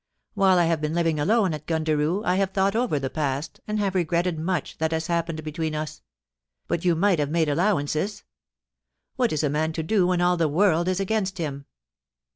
While I have been living alone at Gundaroo I have thought over the past and have regretted much that has happened between us ... but you might have made allowances. What is a man to do when all the world is against him